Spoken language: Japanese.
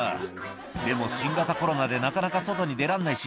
「でも新型コロナでなかなか外に出らんないし」